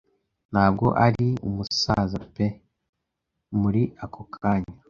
ntabwo ari umusaza Pew! ” Muri ako kanya